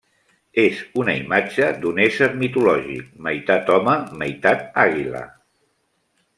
És una imatge d'un ésser mitològic meitat home meitat àguila.